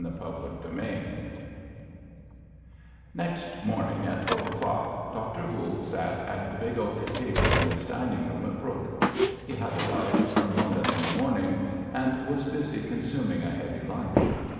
CHAPTER XXVIII Next morning, at twelve o'clock, Doctor Voules sat at the big oak table in his dining room at Brooke. He had arrived from London in the morning, and was busy consuming a heavy lunch.